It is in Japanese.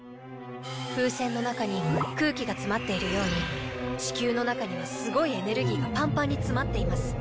風船の中に空気が詰まっているように地球の中にはすごいエネルギーがパンパンに詰まっています。